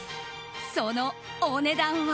そのお値段は。